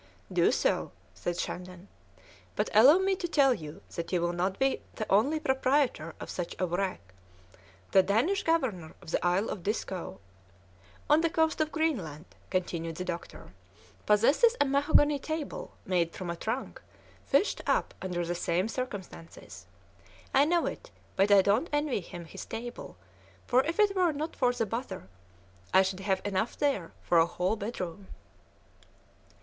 "Do so," said Shandon, "but allow me to tell you that you will not be the only proprietor of such a wreck. The Danish governor of the Isle of Disko " "On the coast of Greenland," continued the doctor, "possesses a mahogany table made from a trunk fished up under the same circumstances. I know it, but I don't envy him his table, for if it were not for the bother, I should have enough there for a whole bedroom."